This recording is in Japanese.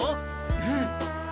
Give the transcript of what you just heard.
うん。